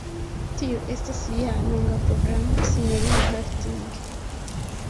Tio estas ja longa programo, sinjorino Harding.